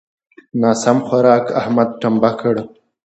ناسم خوارک؛ احمد ټمبه کړ.